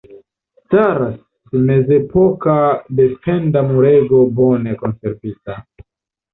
Staras mezepoka defenda murego bone konservita.